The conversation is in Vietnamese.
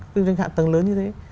kinh doanh hạ tầng lớn như thế